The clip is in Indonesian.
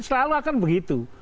selalu akan begitu